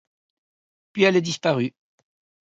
Puis elle a disparu.